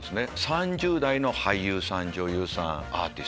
３０代の俳優さん女優さんアーティスト。